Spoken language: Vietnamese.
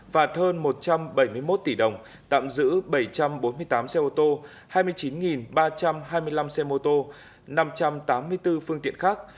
và hơn một trăm bảy mươi một tỷ đồng tạm giữ bảy trăm bốn mươi tám xe ô tô hai mươi chín ba trăm hai mươi năm xe mô tô năm trăm tám mươi bốn phương tiện khác